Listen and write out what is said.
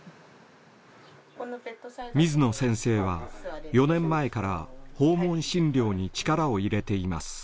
水野先生は４年前から訪問診療に力を入れています。